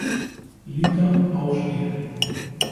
Liga, aufstieg.